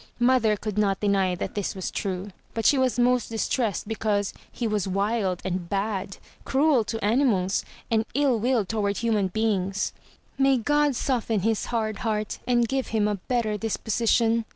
Mother could not deny that this was true; but she was most distressed because he was wild and bad, cruel to animals, and ill willed toward human beings. "May God soften his hard heart and give him a better disposition!"